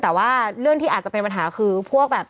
แต่ว่าเรื่องที่อาจจะเป็นปัญหาคือพวกแบบ